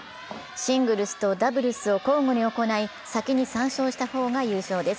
シングルスとダブルスを交互に行い先に３勝した方が優勝です。